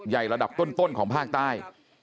ระดับต้นของภาคใต้